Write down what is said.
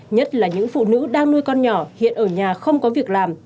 nhất là những phụ nữ đang nuôi con nhỏ hiện ở nhà không có việc làm